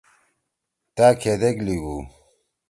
تأ کھیدیک لیگو ۔